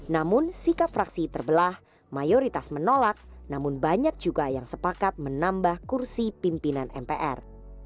namun sikap fraksi terbelah mayoritas menolak namun banyak juga yang sepakat menambah kursi pimpinan mpr